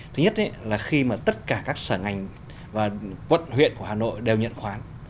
thứ nhất là khi mà tất cả các sở ngành và quận huyện của hà nội đều nhận khoán